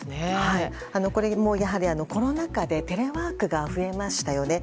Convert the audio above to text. これも、やはりコロナ禍でテレワークが増えましたよね。